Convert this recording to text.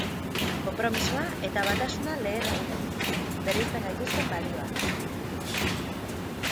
Konpromisoa eta batasuna lehen egunetik, bereizten gaituzten balioak.